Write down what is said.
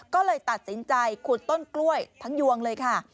ก็เลยตัดสินใจขุดต้นกล้วยทั้งยวงเลยค่ะ